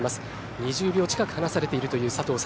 ２０秒近く離されているという佐藤早